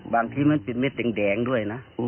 บางทีมันเป็นเม็ดแตงแดงด้วยนะ